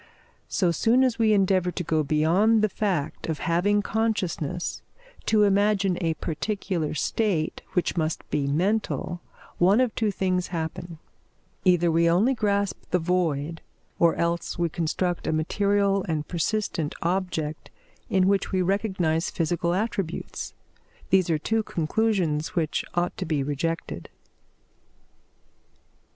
So soon as we endeavour to go beyond the fact of having consciousness to imagine a particular state which must be mental, one of two things happen; either we only grasp the void, or else we construct a material and persistent object in which we recognise psychical attributes. These are two conclusions which ought to be rejected.